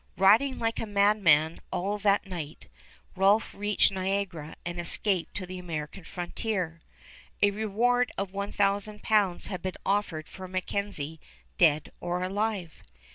Riding like a madman all that night, Rolph reached Niagara and escaped to the American frontier. A reward of 1000 pounds had been offered for MacKenzie dead or alive.